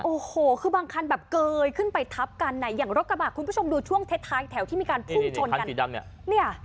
โอ้โหคือบางคันแบบเกยขึ้นไปทับกันอ่ะอย่างรถกระบะคุณผู้ชมดูช่วงเท็จท้ายแถวที่มีการพุ่งชนกันสีดำเนี่ย